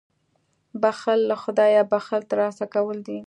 • بښل له خدایه بښنه ترلاسه کول دي.